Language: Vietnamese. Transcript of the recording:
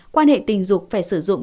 quan hệ tình dục phải sử dụng